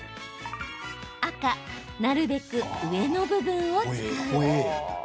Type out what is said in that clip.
赤・なるべく上の部分を使う。